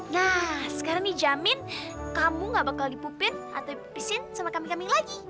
nah sekarang dijamin kamu gak bakal dipupin atau dipipisin sama kambing kambing lagi